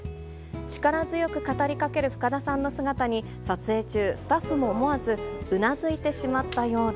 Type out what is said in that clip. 力強く語りかける深田さんの姿に、撮影中、スタッフも思わずうなずいてしまったようで。